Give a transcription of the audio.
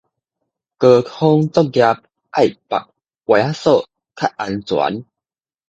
高空作業愛縛ワイヤ索較安全